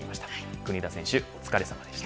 国枝選手、お疲れさまでした。